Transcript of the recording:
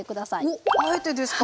おっあえてですか？